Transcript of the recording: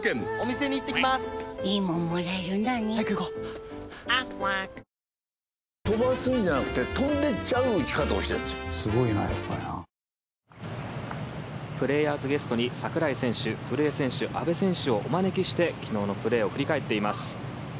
健康にアイデアを明治プレーヤーズゲストに櫻井選手、古江選手阿部選手をお招きして昨日のプレーを振り返っています。